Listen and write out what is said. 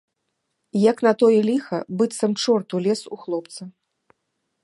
Як на тое ліха, быццам чорт улез у хлопца.